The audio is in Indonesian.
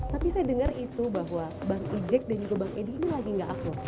tapi saya dengar isu bahwa bank ejek dan juga bank edi ini lagi gak akur